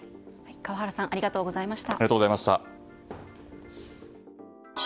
川原さんありがとうございました。